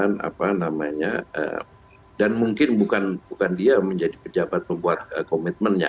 apa namanya dan mungkin bukan dia menjadi pejabat pembuat komitmennya